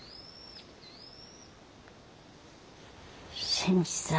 新次さん